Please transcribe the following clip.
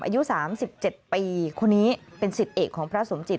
อายุ๓๗ปีคนนี้เป็นสิทธิเอกของพระสมจิต